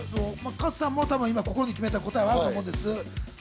加藤さんは心に決めた答えがあると思うんです。